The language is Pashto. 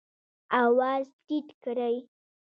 آواز ټیټ کړئ